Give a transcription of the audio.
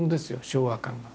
昭和感が。